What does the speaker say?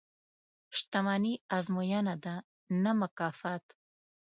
• شتمني ازموینه ده، نه مکافات.